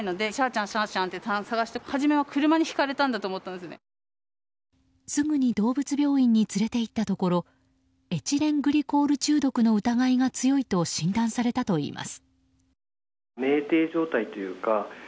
すぐに動物病院に連れていったところエチレングリコール中毒の疑いが強いと診断されたといいます。